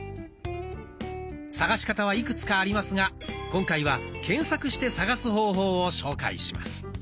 探し方はいくつかありますが今回は検索して探す方法を紹介します。